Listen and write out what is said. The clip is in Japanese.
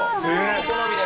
お好みで。